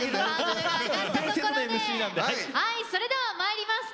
はいそれではまいります。